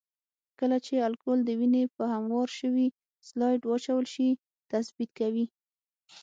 کله چې الکول د وینې په هموار شوي سلایډ واچول شي تثبیت کوي.